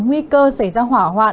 nguy cơ xảy ra hỏa hoa